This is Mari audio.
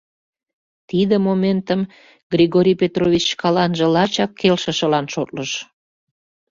Тиде моментым Григорий Петрович шкаланже лачак келшышылан шотлыш.